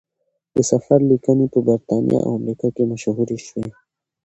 د سفر لیکنې په بریتانیا او امریکا کې مشهورې شوې.